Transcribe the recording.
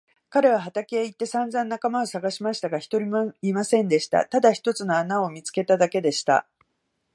彼は畑へ行ってさんざん仲間をさがしましたが、一人もいませんでした。ただ一つの穴を見つけただけでした。